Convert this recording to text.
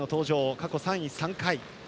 過去３位、３回。